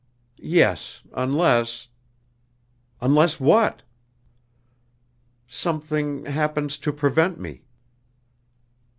"Yes, unless " "Unless what?" "Something happens to prevent me."